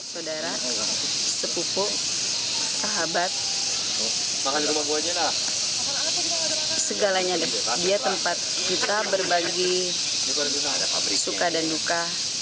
saudara sepupu sahabat segalanya dia tempat kita berbagi suka dan duka